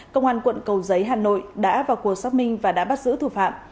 công an quận cầu giấy hà nội đã vào cuộc xác minh và đã bắt giữ thủ phạm